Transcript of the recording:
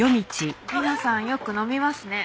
皆さんよく飲みますね。